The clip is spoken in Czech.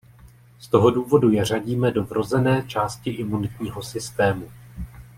Z toho důvodu je řadíme do vrozené části imunitního systému.